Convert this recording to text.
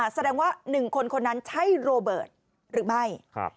แสดงว่า๑คนคนนั้นใช่โรเบิร์ตหรือไม่